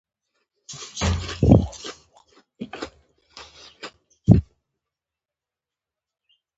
زما لمسیو کړوسیو ته پاتیږي